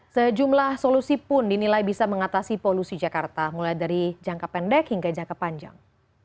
sejumlah solusi pun dinilai bisa mengatasi polusi jakarta mulai dari jangka pendek hingga jangka panjang